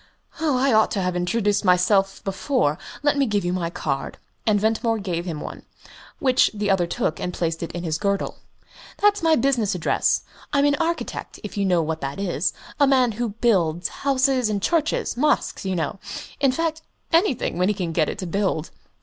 "I ought to have introduced myself before let me give you my card;" and Ventimore gave him one, which the other took and placed in his girdle. "That's my business address. I'm an architect, if you know what that is a man who builds houses and churches mosques, you know in fact, anything, when he can get it to build."